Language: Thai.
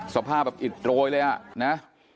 สภาพแบบอิดโรยเลยอ่ะนะ